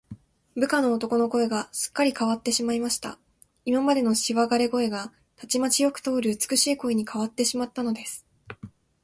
部下の男の声が、すっかりかわってしまいました。今までのしわがれ声が、たちまちよく通る美しい声にかわってしまったのです。